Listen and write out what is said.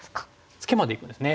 ツケまでいくんですね。